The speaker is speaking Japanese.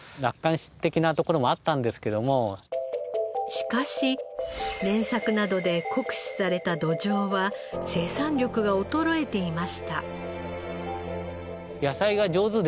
しかし連作などで酷使された土壌は生産力が衰えていました。